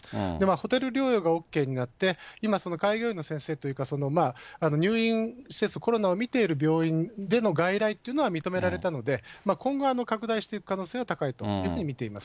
ホテル療養がＯＫになって、今、開業医の先生というか、入院施設、コロナを診ている病院での外来というのは認められたので、今後、拡大していく可能性は高いというふうに見ています。